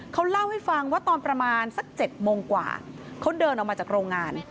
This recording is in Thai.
เขาเล่าให้ฟังว่าตอนประมาณสัก๗โมงกว่าเขาเดินออกมาจากโรงงาน